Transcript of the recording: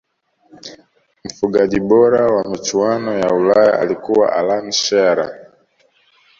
mfungaji bora wa michuano ya Ulaya alikuwa allan shearer